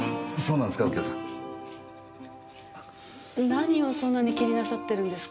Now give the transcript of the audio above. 何をそんなに気になさってるんですか？